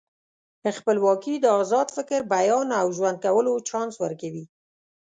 خپلواکي د ازاد فکر، بیان او ژوند کولو چانس ورکوي.